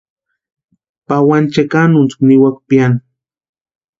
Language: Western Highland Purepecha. Pawani chekanuntskwa niwaka piani.